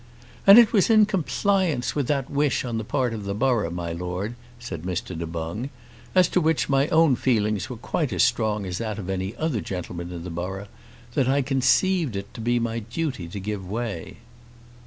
"And it was in compliance with that wish on the part of the borough, my Lord," said Mr. Du Boung, "as to which my own feelings were quite as strong as that of any other gentleman in the borough, that I conceived it to be my duty to give way."